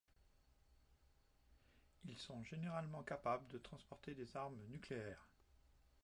Ils sont généralement capables de transporter des armes nucléaires.